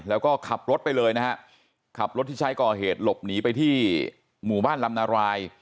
แล้วก็ขับรถไปเลยนะฮะขับรถที่ใช้ก่อเหตุหลบหนีไปที่หมู่บ้านลำนาราย